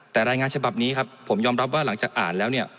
แต่รายงานฉบับนี้ครับผมยอมรับว่าหลังจากอ่านแล้วเนี่ย